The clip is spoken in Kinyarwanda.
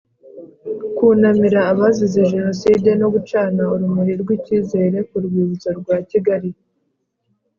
Kunamira abazize Jenoside no gucana urumuri rw’Icyizere ku rwibutso rwa Kigali